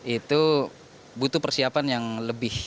itu butuh persiapan yang lebih